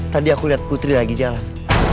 tadi aku lihat putri lagi jalan